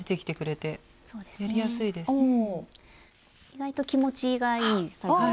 意外と気持ちがいい。